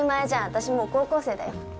私もう高校生だよ。